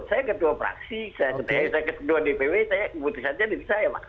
saya ketua praksi saya ketua dpw saya keputusan jadi dari saya